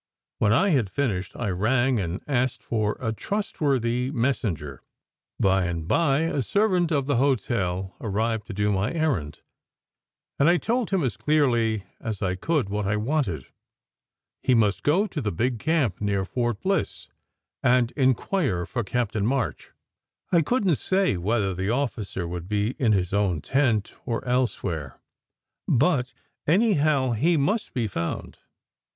When I had fin ished, I rang and asked for a trustworthy messenger. By and by, a servant of the hotel arrived to do my errand, and I told him as clearly as I could what I wanted. He must go to the big camp near Fort Bliss and inquire for Captain March. I couldn t say whether the officer would be in his own tent or elsewhere, but, anyhow, he must be found.